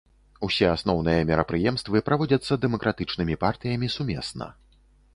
Усе асноўныя мерапрыемствы праводзяцца дэмакратычнымі партыямі сумесна.